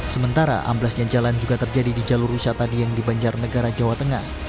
sementara amblesnya jalan juga terjadi di jalur usaha tadi yang dibanjar negara jawa tengah